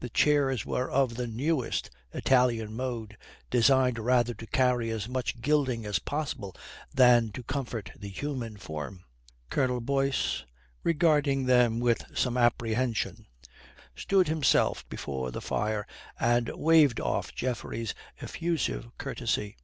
The chairs were of the newest Italian mode, designed rather to carry as much gilding as possible than to comfort the human form. Colonel Boyce, regarding them with some apprehension, stood himself before the fire and waved off Geoffrey's effusive courtesy.